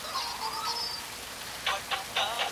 که لاسي کراچۍ په ټاکلو ځایونو کي ودریږي، نو ترافیک نه خرابیږي.